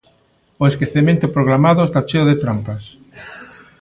O esquecemento programado está cheo de trampas.